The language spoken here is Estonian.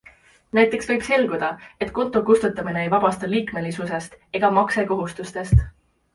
Näiteks võib selguda, et konto kustutamine ei vabasta liikmelisusest ega maksekohustusest.